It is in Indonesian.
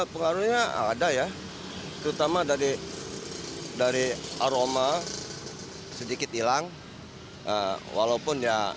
pengaruhnya ada ya terutama dari aroma sedikit hilang